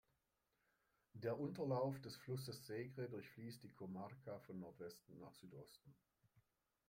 Der Unterlauf des Flusses Segre durchfließt die Comarca von Nordwesten nach Südosten.